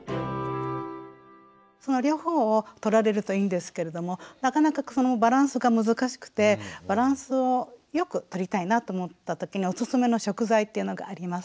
その両方をとられるといいんですけれどもなかなかそのバランスが難しくてバランスをよくとりたいなと思った時のおすすめの食材っていうのがあります。